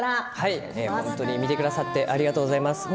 見てくださってありがとうございます。